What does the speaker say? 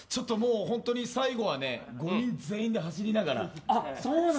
最後は５人全員で走りながら。